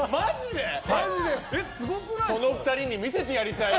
その２人に見せてやりたいよ